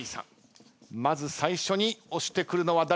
まず最初に押してくるのは誰か？